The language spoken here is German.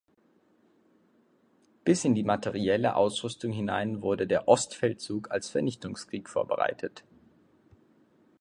Bis in die materielle Ausrüstung hinein wurde der „Ostfeldzug“ als Vernichtungskrieg vorbereitet.